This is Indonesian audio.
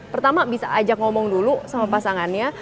pertama bisa ajak ngomong dulu sama pasangannya